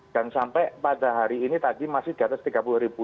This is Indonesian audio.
dan sampai pada hari ini tadi masih di atas tiga puluh ribu